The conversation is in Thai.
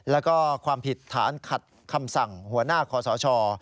แล้วก็ความผิดฐานขัดคำสั่งหัวหน้าคอสช